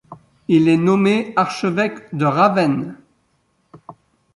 Il est nommé archevêque de Ravenne.